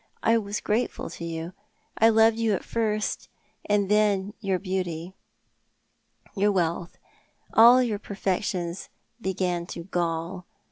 I was grateful to you. I loved you at first, and then your beauty, your wealth, all your perfections, began to gall.